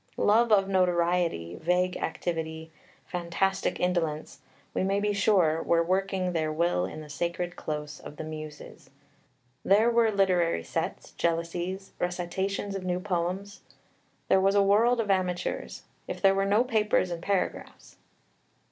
Love of notoriety, vague activity, fantastic indolence, we may be sure, were working their will in the sacred close of the Muses. There were literary sets, jealousies, recitations of new poems; there was a world of amateurs, if there were no papers and paragraphs.